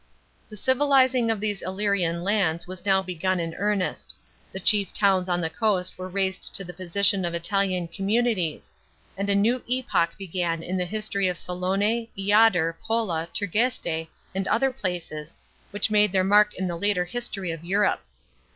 The civilising of these Illyrian lands was now begun in earnest; the chief towns on the coast were raised to the position of Italian communities; and a new epoch began in the history of Salonse, lader, Pola, Tergeste, and other places, which made their mark in the later history of Europe.